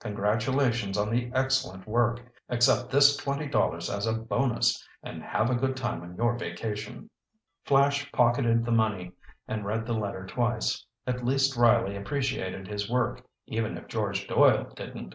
Congratulations on the excellent work! Accept this twenty dollars as a bonus, and have a good time on your vacation." Flash pocketed the money and read the letter twice. At least Riley appreciated his work even if George Doyle didn't!